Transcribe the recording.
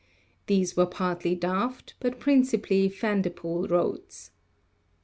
These were partly Daft, but principally Van Depoele roads.